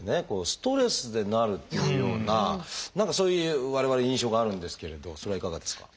ストレスでなるっていうような何かそういう我々印象があるんですけれどそれはいかがですか？